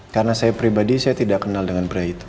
karena saya pribadi saya tidak kenal dengan pria itu